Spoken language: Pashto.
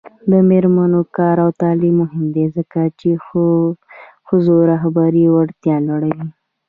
د میرمنو کار او تعلیم مهم دی ځکه چې ښځو رهبري وړتیا لوړوي